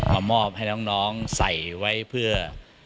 มามอบให้น้องใส่ไว้เพื่อ